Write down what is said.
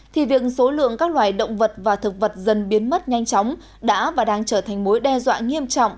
thì việc số lượng các loài động vật và thực vật dần biến mất nhanh chóng đã và đang trở thành mối đe dọa nghiêm trọng